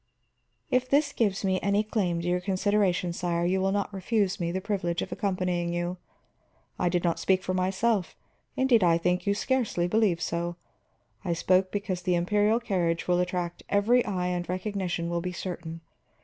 "If this gives me any claim to your consideration, sire, you will not refuse me the privilege of accompanying you. I did not speak for myself, indeed I think you scarcely believe so; I spoke because the imperial carriage will attract every eye and recognition will be certain.